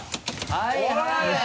はいはい！